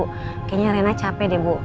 kayaknya rena capek deh bu